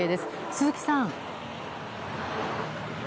鈴木さん。